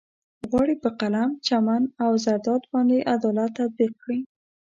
غواړي په قلم، چمن او زرداد باندې عدالت تطبيق کړي.